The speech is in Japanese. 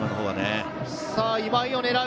今井を狙う。